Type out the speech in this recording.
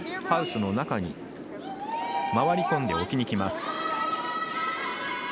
ハウスの中に回り込んで置きにきます。